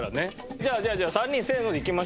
じゃあじゃあじゃあ３人せーのでいきましょうよ。